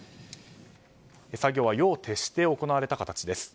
作業は夜を徹して行われた形です。